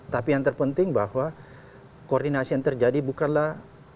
tapi yang terpenting bahwa koordinasi yang terjadi bukanlah